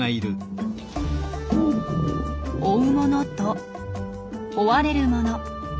追うものと追われるもの。